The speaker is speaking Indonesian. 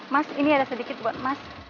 mas ini ada sedikit buat mas